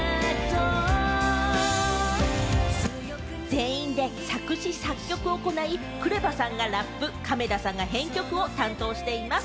全員で作詞・作曲を行い、ＫＲＥＶＡさんがラップ、亀田さんが編曲を担当しています。